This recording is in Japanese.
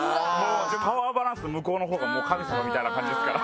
パワーバランス、向こうのほうが神様みたいな感じですから。